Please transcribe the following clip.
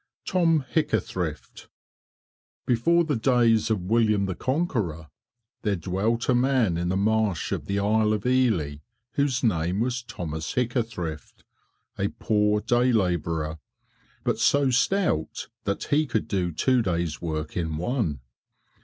Tom Hickathrift Before the days of William the Conqueror there dwelt a man in the marsh of the Isle of Ely whose name was Thomas Hickathrift, a poor day labourer, but so stout that he could do two days' work in one.